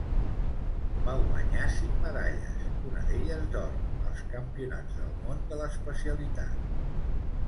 Va guanyar cinc medalles, una d'elles d'or, als Campionats del món de l'especialitat.